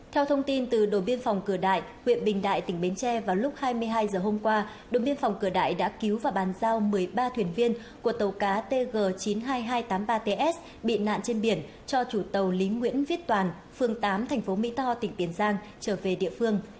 theo thông tin từ đồn biên phòng cửa đại huyện bình đại tỉnh bến tre vào lúc hai mươi hai h hôm qua đồn biên phòng cửa đại đã cứu và bàn giao một mươi ba thuyền viên của tàu cá tg chín mươi hai nghìn hai trăm tám mươi ba ts bị nạn trên biển cho chủ tàu lý nguyễn viết toàn phường tám thành phố mỹ tho tỉnh tiền giang trở về địa phương